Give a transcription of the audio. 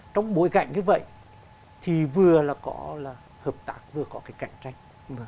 trong bối cảnh như vậy thì vừa có hợp tác vừa có cạnh tranh